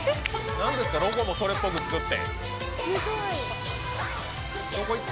なんですか、ロゴもそれっぽく作って。